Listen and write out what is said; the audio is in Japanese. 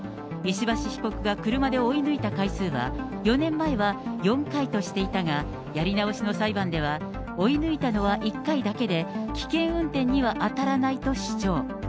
石橋被告が車で追い抜いた回数は、４年前は４回としていたが、やり直しの裁判では、追い抜いたのは１回だけで、危険運転には当たらないと主張。